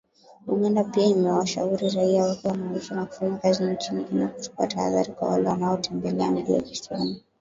Uganda pia imewashauri raia wake wanaoishi na kufanya kazi nchini Kenya kuchukua tahadhari kwa wale wanaotembelea mji wa Kisumu.